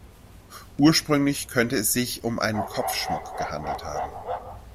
Ursprünglich könnte es sich um einen Kopfschmuck gehandelt haben.